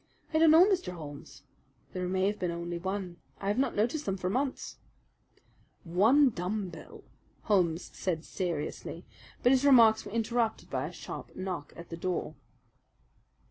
"I don't know, Mr. Holmes. There may have been only one. I have not noticed them for months." "One dumb bell " Holmes said seriously; but his remarks were interrupted by a sharp knock at the door.